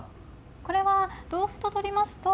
これは同歩と取りますと。